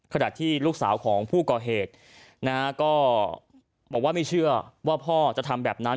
ขณะที่ลูกสาวของผู้ก่อเหตุนะฮะก็บอกว่าไม่เชื่อว่าพ่อจะทำแบบนั้น